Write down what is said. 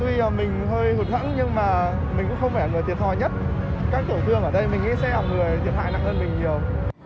các tổ thương ở đây mình nghĩ sẽ hỏng người thiệt hại nặng hơn mình nhiều